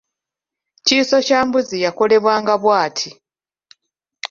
Kiiso kya mbuzi yakolebwanga bw’ati: